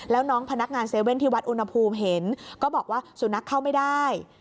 แล้วน้องพนักงาน๗๑๑ที่วัดอุณหภูมิเห็นก็บอกว่าสุนัขเข้าไม่ได้